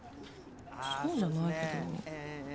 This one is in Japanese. そうじゃないけど。